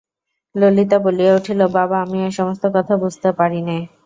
ললিতা বলিয়া উঠিল, বাবা, আমি এ-সমস্ত কথা বুঝতে পারি নে।